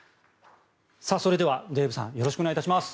それではデーブさんよろしくお願いします。